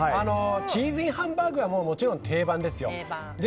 チーズＩＮハンバーグはもちろん定番ですよ。